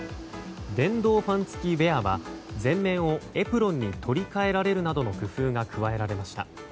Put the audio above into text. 電動ファン付きウェアは前面をエプロンに取り換えられるなどの工夫が加えられました。